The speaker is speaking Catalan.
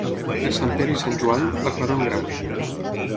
Per Sant Pere i Sant Joan, la claror en gran.